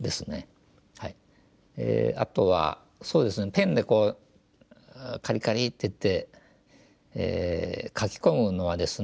あとはそうですねペンでカリカリッて言って描き込むのはですね